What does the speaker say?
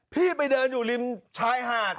พี่ไปเดินอยู่ริมชายหาด